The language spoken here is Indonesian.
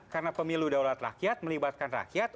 karena pemilu daulat rakyat melibatkan rakyat